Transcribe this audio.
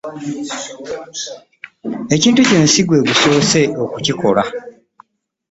Ekintu kino si gwe gusoose okukikola.